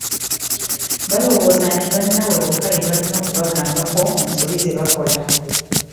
Balowooza nti bannaabwe bokka be balina okubagambako mu nsobi ze bakola.